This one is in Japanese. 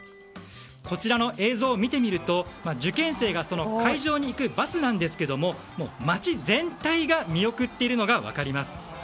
こちらの映像を見てみると受験生が会場に行くバスなんですけども街全体が見送っているのが分かります。